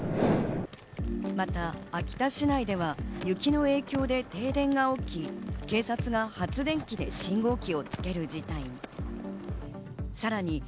また秋田市内では雪の影響で停電が起き、警察が発電機で信号機をつける事態に。